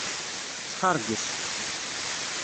Sḥerges.